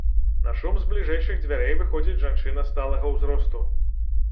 На шум з бліжэйшых дзвярэй выходзіць жанчына сталага ўзросту.